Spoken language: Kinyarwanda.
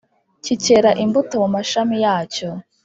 kikera imbuto mu mashami yacyo,